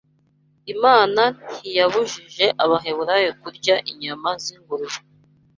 Imana ntiyabujije Abaheburayo kurya inyama z’ingurube